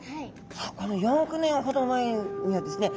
さあこの４億年ほど前にはですね